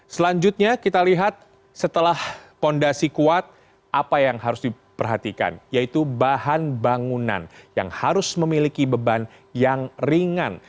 selanjutnya kita lihat setelah fondasi kuat apa yang harus diperhatikan yaitu bahan bangunan yang harus memiliki beban yang ringan